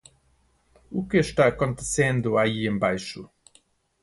O que está acontecendo aí embaixo?